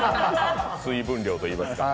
水分量といいますか。